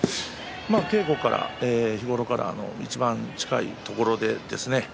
稽古から、日頃からいちばん近いところでですね